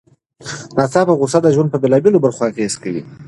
ناڅاپه غوسه د ژوند په بېلابېلو برخو اغېز کوي.